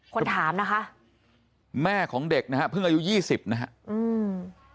คนถามนะคะแม่ของเด็กนะฮะเพิ่งอายุยี่สิบนะฮะอืม